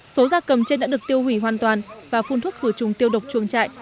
số da cầm trên đã được tiêu hủy hoàn toàn và phun thuốc phử trùng tiêu độc chuồng trại